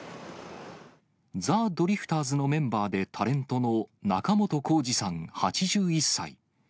ザ・ドリフターズのメンバーで、タレントの仲本工事さん８１歳。